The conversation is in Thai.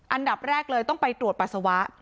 อันดับแรกเลยต้องไปตรวจปัสสาวะ